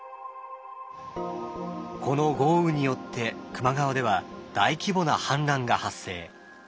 この豪雨によって球磨川では大規模な氾濫が発生。